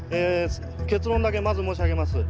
結論だけまず申し上げます。